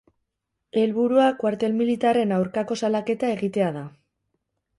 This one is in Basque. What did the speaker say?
Helburua, kuartel militarren aurkako salaketa egitea da.